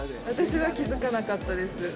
私は気付かなかったです。